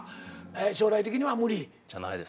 将来的には無理？じゃないですか？